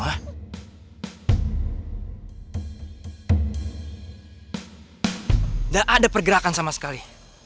tidak ada pergerakan sama sekali